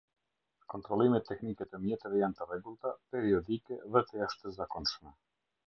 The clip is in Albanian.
Kontrollimet teknike të mjeteve janë të rregullta, periodike dhe të jashtëzakonshme.